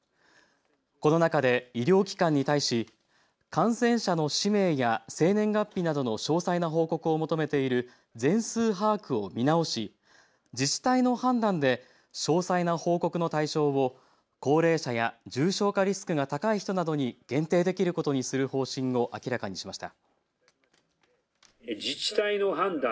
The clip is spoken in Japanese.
この中で医療機関に対し感染者の氏名や生年月日などの詳細な報告を求めている全数把握を見直し、自治体の判断で詳細な報告の対象を高齢者や重症化リスクが高い人などに限定できることにする方針を明らかにしました。